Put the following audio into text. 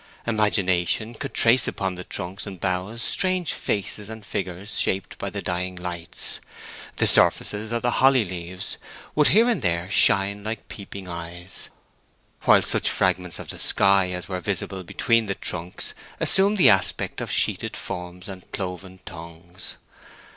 Imagination could trace upon the trunks and boughs strange faces and figures shaped by the dying lights; the surfaces of the holly leaves would here and there shine like peeping eyes, while such fragments of the sky as were visible between the trunks assumed the aspect of sheeted forms and cloven tongues.